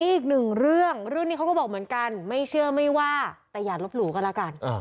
อีกหนึ่งเรื่องเรื่องนี้เขาก็บอกเหมือนกันไม่เชื่อไม่ว่าแต่อย่าลบหลู่ก็แล้วกัน